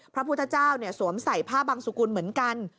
พระพุทธเจ้าสวมใส่ผ้าบังสุกุลเหมือนกัน